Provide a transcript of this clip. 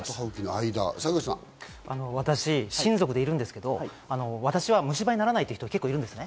私、親族でいるんですが、私、虫歯にならないって人が結構いるんです。